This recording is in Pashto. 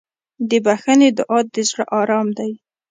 د بښنې دعا د زړه ارام دی.